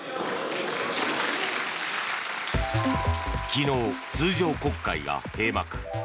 昨日、通常国会が閉幕。